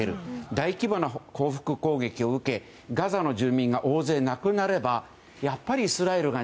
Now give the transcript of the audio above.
大規模な報復攻撃を受けガザの住民が大勢亡くなればやっぱりイスラエルが